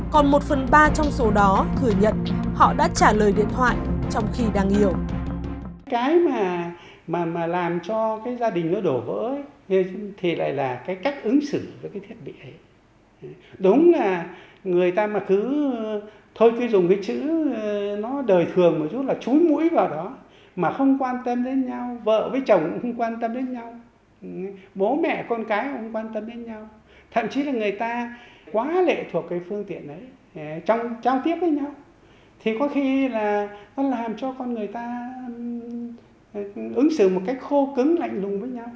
còn một phần ba trong số đó gửi nhận họ đã trả lời điện thoại trong khi đang yêu